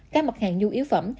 các mặt hàng nhu yếu phẩm